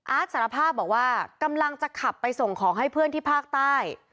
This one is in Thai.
สารภาพบอกว่ากำลังจะขับไปส่งของให้เพื่อนที่ภาคใต้